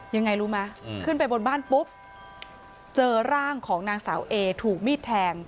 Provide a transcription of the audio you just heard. ยังไงรู้ไหมขึ้นไปบนบ้านปุ๊บเจอร่างของนางสาวเอถูกมีดแทง